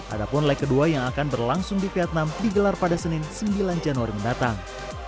ada pun leg kedua yang akan berlangsung di vietnam digelar pada senin sembilan januari mendatang